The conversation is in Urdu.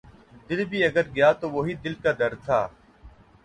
دل بھی اگر گیا تو وہی دل کا درد تھا